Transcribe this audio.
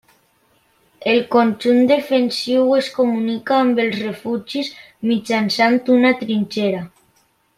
El conjunt defensiu es comunica amb els refugis mitjançant una trinxera.